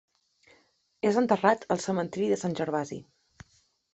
És enterrat al Cementiri de Sant Gervasi.